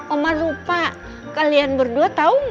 oma lupa kalian berdua tau gak